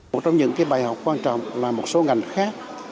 một trong những bài học quan trọng là một số ngành khác